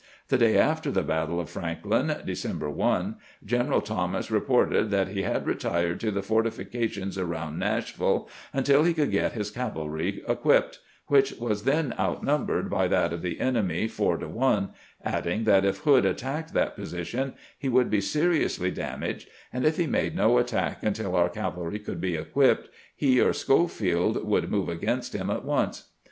The day after the battle of Franklin (December 1), Greneral Thomas reported that he had retired to the fortifications around Nashville until he could get his cavalry equipped, which was then outnumbered by that of the enemy four to 6ne, adding that if Hood attacked that position he would be seriously damaged, and if he made no attack until our cavalry could be equipped, he or Schofield would move against him at once.